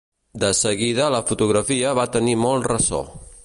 De seguida la fotografia va tenir molt ressò.